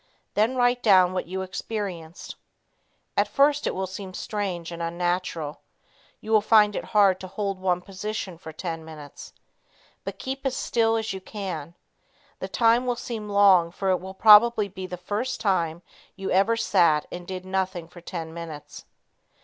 Then write down what you experienced. At first it will seem strange and unnatural. You will find it hard to hold one position for ten minutes. But keep as still as you can. The time will seem long for it will probably be the first time you ever sat and did nothing for ten minutes.